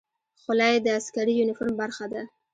خولۍ د عسکري یونیفورم برخه ده.